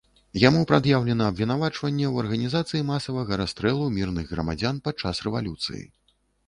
Яму прад'яўлена абвінавачванне ў арганізацыі масавага расстрэлу мірных грамадзян падчас рэвалюцыі.